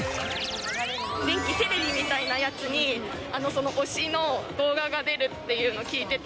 電気テレビみたいなやつに、その推しの動画が出るっていうの聞いてて。